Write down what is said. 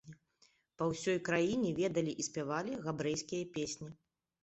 Па ўсёй краіне ведалі і спявалі габрэйскія песні.